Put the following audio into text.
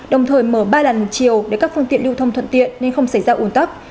đồng thời mở ba làn chiều để các phương tiện lưu thông thuận tiện nên không xảy ra ủn tắc